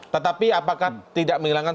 tetapi apakah tidak menghilangkan